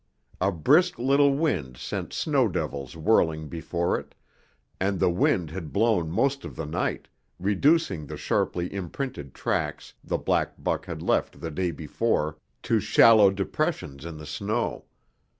A brisk little wind sent snow devils whirling before it, and the wind had blown most of the night, reducing the sharply imprinted tracks the black buck had left the day before to shallow depressions in the snow.